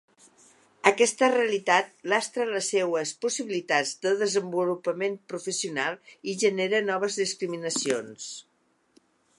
Aquesta realitat lastra les seues possibilitats de desenvolupament professional i genera noves discriminacions.